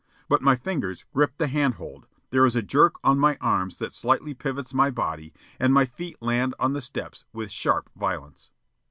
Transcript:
But my fingers grip the hand hold, there is a jerk on my arms that slightly pivots my body, and my feet land on the steps with sharp violence.